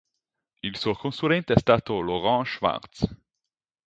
Il suo consulente è stato Laurent Schwartz.